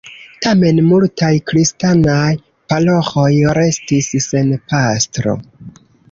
Tamen multaj kristanaj paroĥoj restis sen pastro.